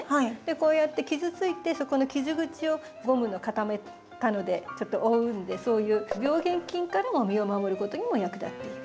こうやって傷ついてそこの傷口をゴムの固めたのでちょっと覆うのでそういう病原菌からも身を守ることにも役立っている。